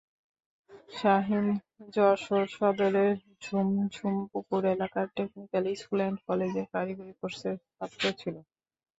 শাহিন যশোর সদরের ঝুমঝুমপুর এলাকার technical school and কলেজের কারিগরি কোর্সের ছাত্র ছিল।